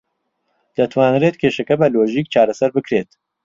دەتوانرێت کێشەکە بە لۆژیک چارەسەر بکرێت.